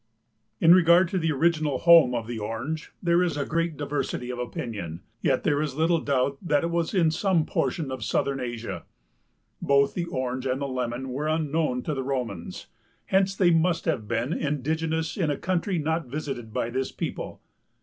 In regard to the original home of the Orange there is a great diversity of opinion, yet there is little doubt that it was in some portion of southern Asia. Both the Orange and the lemon were unknown to the Romans, hence they must have been indigenous in a country not visited by this people.